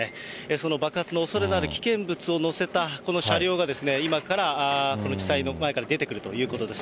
その爆発のおそれのある危険物を載せたこの車両が今からこの地裁前から出てくるということです。